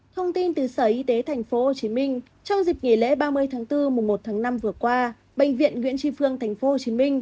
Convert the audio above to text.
thông tin từ sở y tế tp hcm trong dịp nghỉ lễ ba mươi bốn một năm vừa qua bệnh viện nguyễn tri phương tp hcm